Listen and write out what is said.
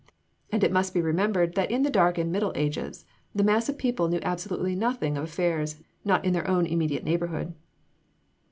And it must be remembered that in the dark and middle ages the mass of the people knew absolutely nothing of affairs not in their own immediate neighborhood.